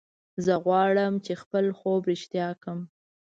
زه غواړم چې خپل خوب رښتیا کړم